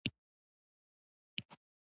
په افغانستان کې لوگر ډېر اهمیت لري.